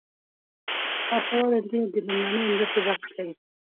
باسواده نجونې د لومړنیو مرستو بکس لري.